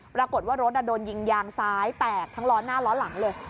ปรากฏว่ารถโดนยิงยางซ้ายแตกทั้งล้อหน้าล้อหลังเลย